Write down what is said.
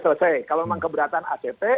selesai kalau memang keberatan act